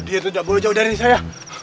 dia tidak boleh jauh dari saya